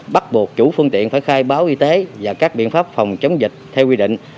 bắt buộc chủ phương tiện phải khai báo y tế và các biện pháp phòng chống dịch theo quy định